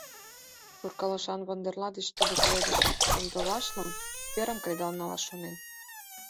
Шуркалышан вондерла деч тудо пеледышым шындылашлан верым кредал налаш шонен.